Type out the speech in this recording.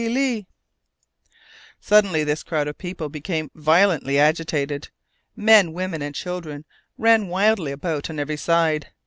Suddenly, this crowd of people became violently agitated. Men, women, and children ran wildly about on every side.